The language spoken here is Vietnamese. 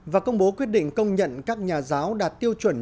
và công bố quyết định công nhận các nhà giáo đạt tiêu chuẩn